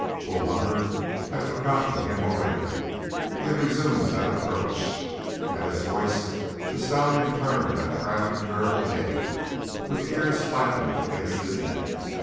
Bull Hunter had forgotten him already. He had resumed that approach. At his voice the stallion turned that proud and terrible head with the ears flattened against his neck.